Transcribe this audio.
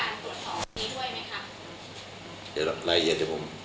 คุณมันจะมีรักฐานอย่างที่พูดบอกว่า